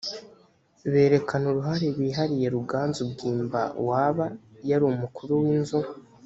berekana uruhare bihariye ruganzu bwimba waba yari umukuru w inzu